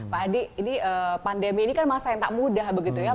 pak adi ini pandemi ini kan masa yang tak mudah begitu ya